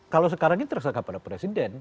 kalau sekarang ini terserah kepada presiden